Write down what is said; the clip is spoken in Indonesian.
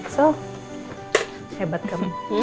so hebat kamu